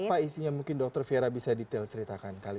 apa isinya mungkin dokter fira bisa detail ceritakan kali